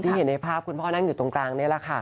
เห็นในภาพคุณพ่อนั่งอยู่ตรงกลางนี่แหละค่ะ